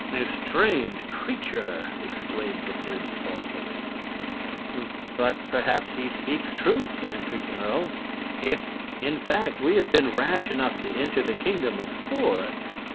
"A strange creature!" exclaimed the prince thoughtfully. "But perhaps he speaks truth," answered Nerle, "if, in fact, we have been rash enough to enter the Kingdom of Spor.